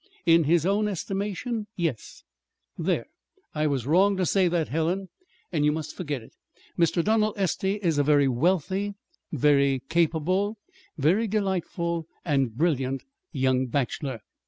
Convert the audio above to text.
"In his own estimation yes! There! I was wrong to say that, Helen, and you must forget it. Mr. Donald Estey is a very wealthy, very capable, very delightful and brilliant young bachelor.